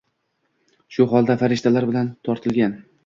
Shu holda farishtalar bilan to‘ldirilgan.